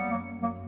ya ya gak